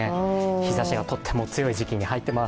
日ざしがとても強い時期に入っています。